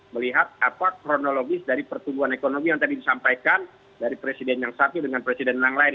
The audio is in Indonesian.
melihat apa kronologis dari pertumbuhan ekonomi yang tadi disampaikan dari presiden yang satu dengan presiden yang lain